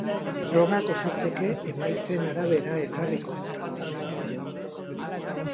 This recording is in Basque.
Frogak osatzeke, emaitzen arabera ezarriko da tratamendua.